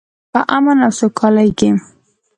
په امن او سوکالۍ کې.